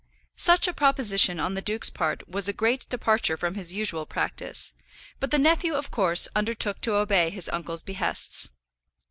Such a proposition on the duke's part was a great departure from his usual practice, but the nephew of course undertook to obey his uncle's behests.